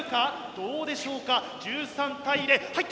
どうでしょうか１３対０はいった！